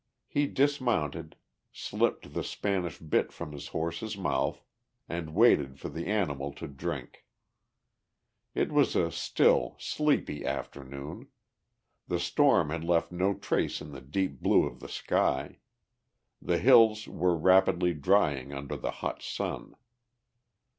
He dismounted, slipped the Spanish bit from his horse's mouth, and waited for the animal to drink. It was a still, sleepy afternoon. The storm had left no trace in the deep blue of the sky; the hills were rapidly drying under the hot sun.